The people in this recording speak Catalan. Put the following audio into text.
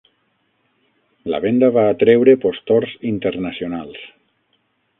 La venda va atreure postors internacionals.